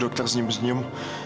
dokter kenapa kamu senyum